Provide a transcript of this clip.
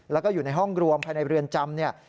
แล้วก็อยู่ในห้องรวมภายในเรือนจำเนี่ย